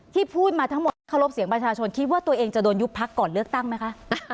ที่พูดมาทั้งหมดที่เคารพเสียงประชาชนคิดว่าตัวเองจะโดนยุบพักก่อนเลือกตั้งไหมคะ